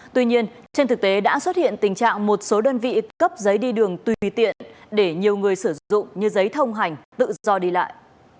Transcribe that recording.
tuy nhiên trên thực tế đã xuất hiện tình trạng một số đơn vị cấp giấy đi đường tùy tiện để nhiều người sử dụng như giấy thông hành tự do đi lại